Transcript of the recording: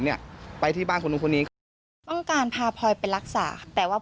เนี่ยไปที่บ้านคนนู้นคนนี้คือต้องการพาพลอยไปรักษาแต่ว่า